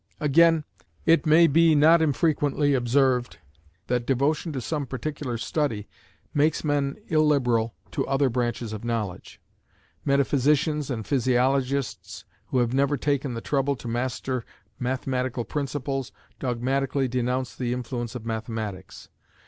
Again, it may be not infrequently observed that devotion to some particular study makes men illiberal to other branches of knowledge. Metaphysicians and physiologists who have never taken the trouble to master mathematical principles dogmatically denounce the influence of mathematics.